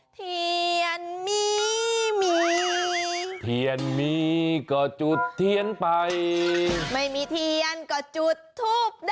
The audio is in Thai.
เทียนมีมีเทียนมีก็จุดเทียนไปไม่มีเทียนก็จุดทูบ